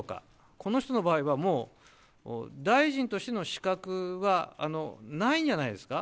この人の場合は、もう大臣としての資格はないんじゃないですか。